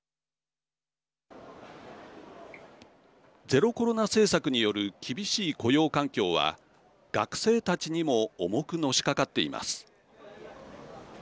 ゼロコロナ政策による厳しい雇用環境は学生たちにも重くのしかかっています。